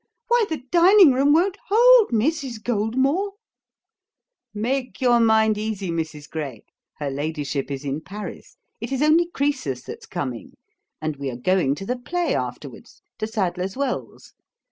Why, the dining room won't hold Mrs. Goldmore.' 'Make your mind easy, Mrs. Gray; her ladyship is in Paris. It is only Croesus that's coming, and we are going to the play afterwards to Sadler's Wells.